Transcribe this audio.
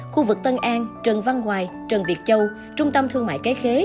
khu vực tân an trần văn hoài trần việt châu trung tâm thương mại cái khế